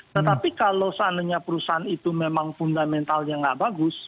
tetapi kalau seandainya perusahaan itu memang fundamentalnya nggak bagus